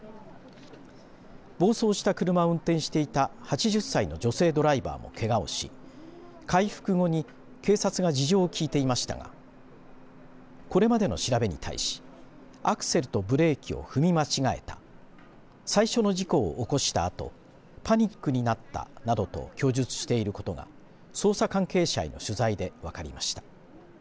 暴走した車を運転していた８０歳の女性ドライバーもけがをし回復後に警察が事情を聴いていましたがこれまでの調べに対しアクセルとブレーキを踏み間違えた最初の事故を起こしたあとパニックになった、などと供述していることが捜査関係者への取材で分かりました。